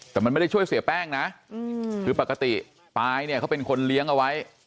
แต่มันไม่ได้ช่วยเสียแป้งนะคือปกติปายเนี่ยเขาเป็นคนเลี้ยงเอาไว้